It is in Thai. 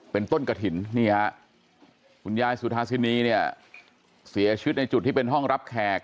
เป็นต้นกระถิ่นนี่ฮะคุณยายสุธาสินีเนี่ยเสียชีวิตในจุดที่เป็นห้องรับแขก